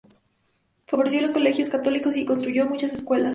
Favoreció a los colegios católicos y construyó muchas escuelas.